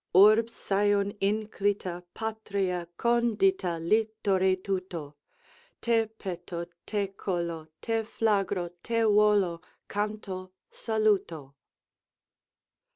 Urbs Syon inclita, patria condita littore tuto, Te peto, te colo, te flagro, te volo, canto, saluto."